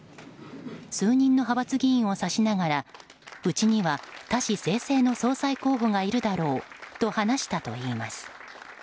数人の派閥議員を指しながらうちには多士済々の総裁候補がいるだろうと話したといいます。